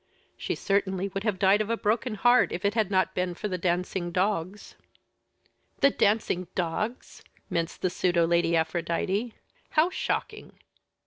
She certainly would have died of a broken heart, if it had not been for the dancing dogs." "The dancing dogs!" minced the pseudo Lady Aphrodite. "How shocking!"